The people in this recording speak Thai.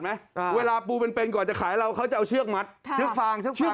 ไม่เป็นไรเราไม่แจ้งความดำเนินคดี